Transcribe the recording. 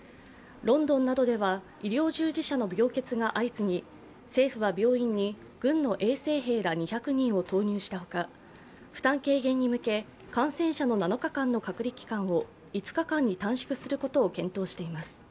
ロンドンなどでは医療従事者の病欠が相次ぎ政府は病院に、軍の衛生兵ら２００人を投入した他、負担軽減に向け感染者の７日間の隔離期間を５日間に短縮することを検討しています。